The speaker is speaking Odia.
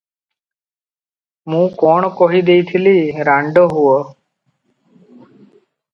ମୁଁ କଣ କହି ଦେଇଥିଲି, ରାଣ୍ଡ ହୁଅ?